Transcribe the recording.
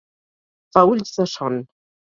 Fa ulls de son.